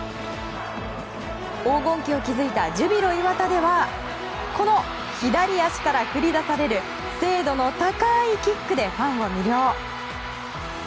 黄金期を築いたジュビロ磐田ではこの左足から繰り出される精度の高いキックでファンを魅了。